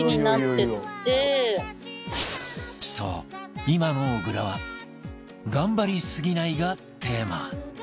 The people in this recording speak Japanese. そう今の小倉は「頑張りすぎない」がテーマ